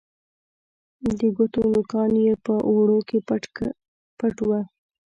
د ګوتو نوکان یې په اوړو کې پټ وه